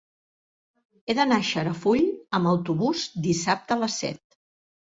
He d'anar a Xarafull amb autobús dissabte a les set.